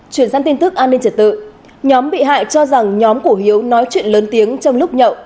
chuyển sang tin tức an ninh trật tự nhóm bị hại cho rằng nhóm của hiếu nói chuyện lớn tiếng trong lúc nhậu